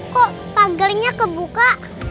kok pagarannya kebuka